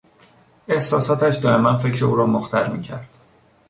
احساساتش دایما فکر او را مختل میکرد.